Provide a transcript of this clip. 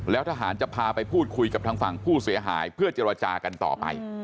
แล้วทหารจะพาไปพูดคุยกับทางฝั่งผู้เสียหายเพื่อเจรจากันต่อไป